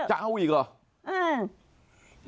จะเอาอีกเหรอ